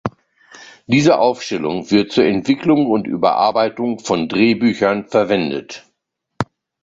Diese Aufstellung wird zur Entwicklung und Überarbeitung von Drehbüchern verwendet.